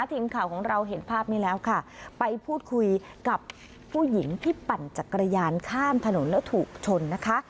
ทีมข่าวของเราเห็นภาพนี้แล้วค่ะไปพูดคุยกับผู้หญิงที่ปั่นจักรยานข้ามถนนแล้วถูกชนนะคะ